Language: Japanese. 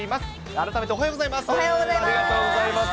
改めておはようございます。